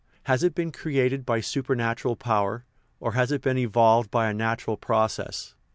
Has it been created by supernatural power, or has it been evolved by a natural process